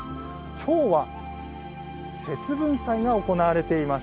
今日は、節分祭が行われています。